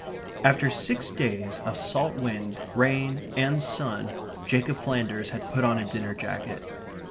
After six days of salt wind, rain, and sun, Jacob Flanders had put on a dinner jacket.